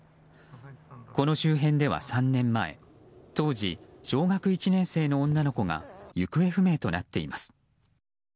この周辺では、３年前当時小学１年生の女の子が行方不明となっています。